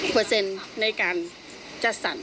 เปอร์เซ็นต์ในการ